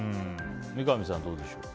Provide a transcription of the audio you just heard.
三上さん、どうでしょうか。